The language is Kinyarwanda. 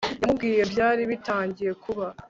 yamubwiye byari bitangiye kuba